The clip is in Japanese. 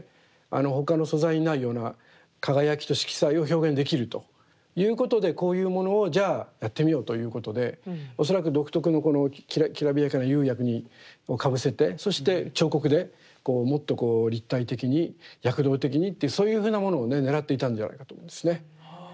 他の素材にないような輝きと色彩を表現できるということでこういうものをじゃあやってみようということで恐らく独特のきらびやかな釉薬をかぶせてそして彫刻でこうもっとこう立体的に躍動的にっていうそういうふうなものをねねらっていたんじゃないかと思うんですね。